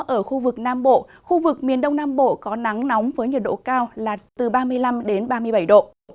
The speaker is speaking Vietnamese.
ở khu vực nam bộ khu vực miền đông nam bộ có nắng nóng với nhiệt độ cao là từ ba mươi năm đến ba mươi bảy độ